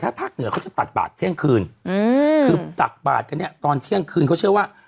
ถ้าภาคเหนือเขาจะตักบาทเที่ยงคืนอืมคือตักบาทกันเนี่ยตอนเที่ยงคืนเขาเชื่อว่า